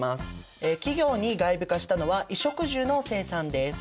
企業に外部化したのは衣食住の生産です。